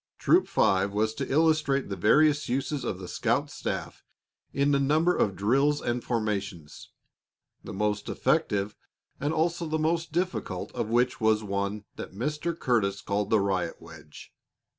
Troop Five was to illustrate the various uses of the scout staff in a number of drills and formations, the most effective and also the most difficult of which was one that Mr. Curtis called the riot wedge.